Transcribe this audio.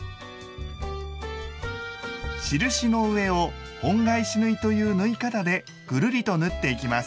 印の上を「本返し縫い」という縫い方でぐるりと縫っていきます。